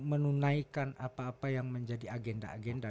menunaikan apa apa yang menjadi agenda agenda